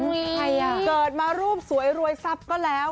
เคริย์มารูปสวยรวยทรัพย์ก็แล้ว